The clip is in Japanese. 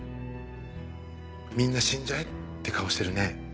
「みんな死んじゃえ」って顔してるね。